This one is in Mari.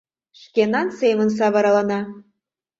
Шкенан семын савыралына.